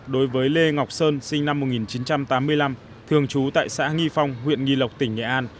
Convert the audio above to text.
đối với lê ngọc sơn sinh năm một nghìn chín trăm tám mươi năm thường trú tại xã nghi phong huyện nghi lộc tỉnh nghệ an